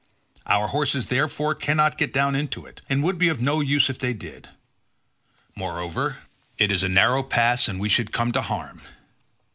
Our horses therefore cannot get down into it, and would be of no use if they did; moreover it is a narrow place and we should come to harm.